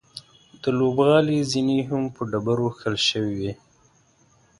د لوبغالي زینې هم په ډبرو کښل شوې وې.